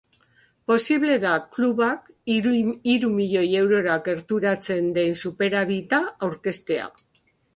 Posible da klubak hiru milioi eurora gerturatzen den superabita aurkeztea.